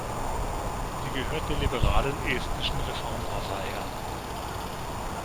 Sie gehört der liberalen Estnischen Reformpartei an.